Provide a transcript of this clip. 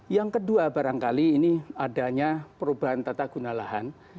yang kedua barangkali ini adanya perubahan tata guna lahan